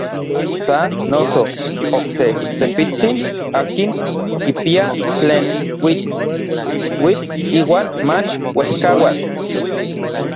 Sa noso, okse tepitsin akin kipia tlen uits, uits iuan mach uejkauas.